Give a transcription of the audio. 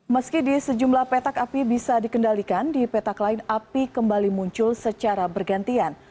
meski di sejumlah petak api bisa dikendalikan di petak lain api kembali muncul secara bergantian